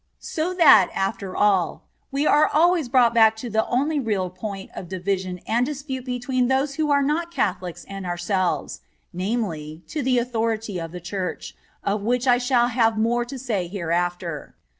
So that, after all, we are always brought back to the only real point of division and dispute between those who are not Catholics and ourselves, namely, to the authority of the Church, of which I shall have more to say hereafter.